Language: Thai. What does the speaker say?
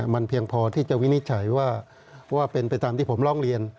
มันเพียงพอที่จะวินิจฉัยว่าเป็นไปตามที่ผมร้องเรียน